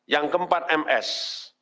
yang keempat ms